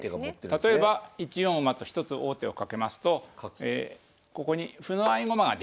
例えば１四馬と一つ王手をかけますとここに歩の合駒ができます。